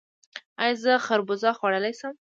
ایا زه خربوزه خوړلی شم؟